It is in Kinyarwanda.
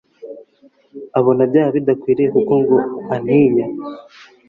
abona byaba bidakwiye kuko ngo antinya